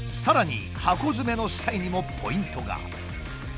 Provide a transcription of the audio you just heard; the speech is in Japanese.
さらに箱詰めの際にもポイントが。